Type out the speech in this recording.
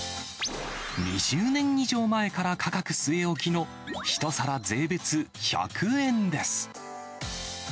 ２０年以上前から価格据え置きの１皿税別１００円です。